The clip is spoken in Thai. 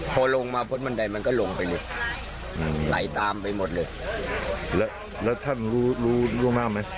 พอลงมาพ้นบันไดมันก็ลงไปเลยไหลตามไปหมดเลยแล้วแล้วท่านรู้รู้มากไหม